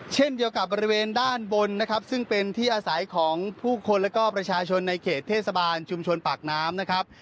เช่นเดียวกับบริเวณด้านบนนะครับซึ่งเป็นที่อาศัยของผู้คนและก็ประชาชนในเขตเทศบาลชุมชนปากน้ำนะครับ